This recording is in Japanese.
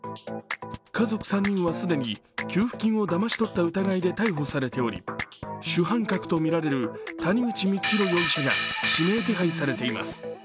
家族３人は既に給付金をだまし取った疑いで逮捕されており主犯格とみられる谷口光弘容疑者が指名手配されています。